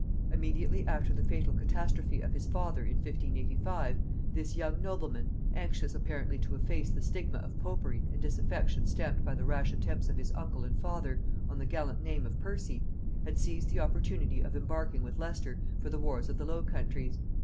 Immediately after the fatal catastrophe of his father in 1585, this young nobleman, anxious apparently to efface the stigma of popery and disaffection stamped by the rash attempts of his uncle and father on the gallant name of Percy, had seized the opportunity of embarking with Leicester for the wars of the Low Countries.